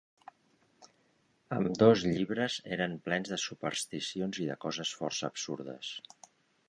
Ambdós llibres eren plens de supersticions i de coses força absurdes.